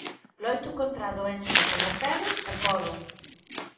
Loito contra a doenza como quero e podo.